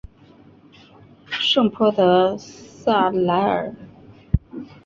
圣波德萨莱尔。